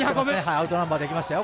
アウトナンバーできましたよ